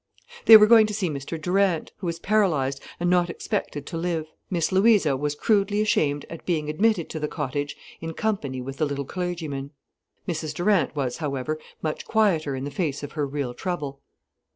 They were going to see Mr Durant, who was paralysed and not expected to live. Miss Louisa was crudely ashamed at being admitted to the cottage in company with the little clergyman. Mrs Durant was, however, much quieter in the face of her real trouble.